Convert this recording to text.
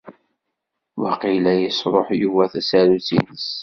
Waqila yesṛuḥ Yuba tasarut-ines.